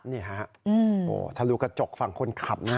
นี่ฮะทะลุกระจกฝั่งคนขับนะ